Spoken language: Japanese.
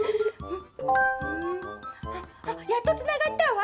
うーん。はっ、やっとつながったわ。